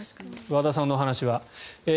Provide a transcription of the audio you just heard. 和田さんのお話は。